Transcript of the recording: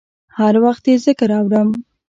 هر وخت یې ذکر اورم